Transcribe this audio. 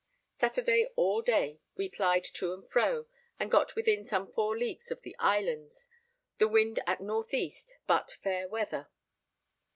Saturday all day we plied to and fro, and got within some four leagues of the Islands, the wind at north east but fair weather.